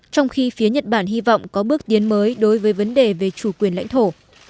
trong khi phía nhật bản hy vọng có bước tiến mới đối với vấn đề về chủ quyền lãnh thổ